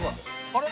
あれ？